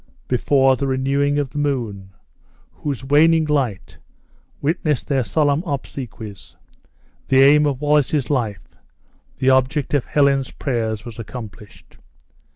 Before the renewing of the moon, whose waning light witnessed their solemn obsequies, the aim of Wallace's life, the object of Helen's prayers, was accomplished.